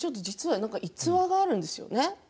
逸話があるんですよね。